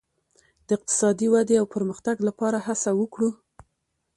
د اقتصادي ودې او پرمختګ لپاره هڅه وکړو.